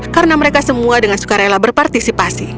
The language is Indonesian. karena mereka semua dengan sukarela berpartisipasi